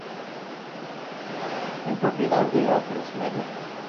Es propiedad de Atresmedia.